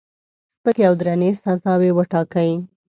سپکې او درنې سزاوي وټاکي.